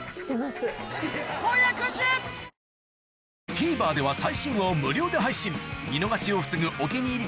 ＴＶｅｒでは最新話を無料で配信見逃しを防ぐ「お気に入り」